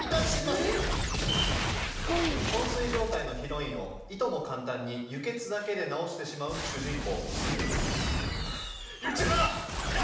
「こん睡状態のヒロインをいとも簡単に輸血だけで治してしまう主人公」。